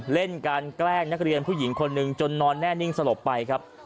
เล่นการแกล้งนักเรียนผู้หญิงคนหนึ่งจนนอนแน่นิ่งสลบไปครับ